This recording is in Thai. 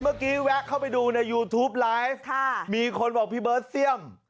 แวะเข้าไปดูในยูทูปไลฟ์มีคนบอกพี่เบิร์ดเสี่ยม